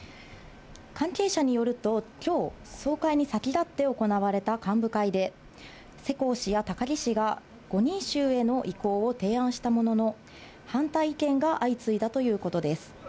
関係者によると、きょう、総会に先立って行われた幹部会で、世耕氏や高木氏が５人衆への移行を提案したものの、反対意見が相次いだということです。